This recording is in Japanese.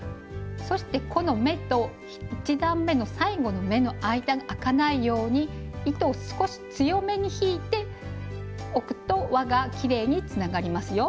そしてこの目と１段めの最後の目の間があかないように糸を少し強めに引いておくと輪がきれいにつながりますよ。